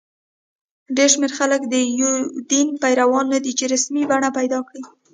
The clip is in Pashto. ډېر شمېر خلک د یو دین پیروان نه دي چې رسمي بڼه پیدا کړي.